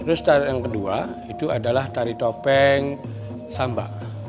terus tarian yang kedua itu adalah tarian topeng samba